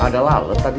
ada lalat tadi